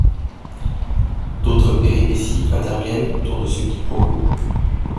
D'autres péripéties interviennent autour de ce quiproquo.